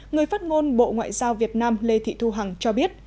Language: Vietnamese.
người phát ngôn bộ ngoại giao việt nam lê thị thu hằng cho biết